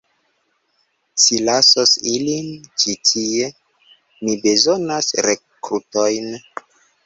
Ci lasos ilin ĉi tie; mi bezonas rekrutojn.